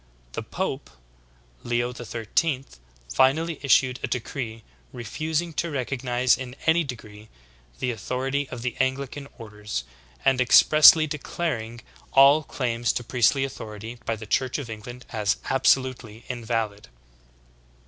The pope, Leo XIII, finally issued a decree refusing to recognize in any degree the authority of the Anglican orders, and expressly declaring THE APOSTASY ADMITTED. 161 all claims to priestly authority by the Church of England as absolutely invalid.